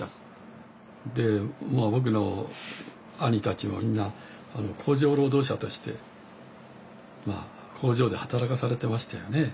で僕の兄たちもみんな工場労働者として工場で働かされてましたよね。